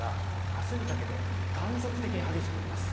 明日にかけて断続的に激しく降ります。